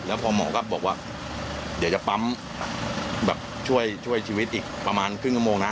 แล้วพอหมอก็บอกว่าเดี๋ยวจะปั๊มแบบช่วยชีวิตอีกประมาณครึ่งชั่วโมงนะ